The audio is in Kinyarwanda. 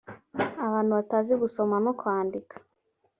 abantu batazi gusoma no kwandika